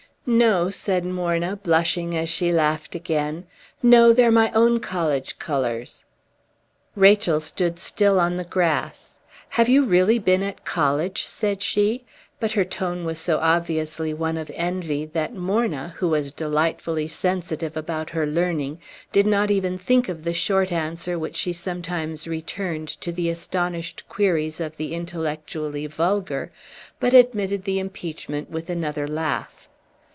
"No," said Morna, blushing as she laughed again. "No, they're my own college colors." Rachel stood still on the grass. "Have you really been at college?" said she; but her tone was so obviously one of envy that Morna, who was delightfully sensitive about her learning, did not even think of the short answer which she sometimes returned to the astonished queries of the intellectually vulgar, but admitted the impeachment with another laugh.